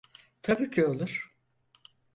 Tabii ki olur.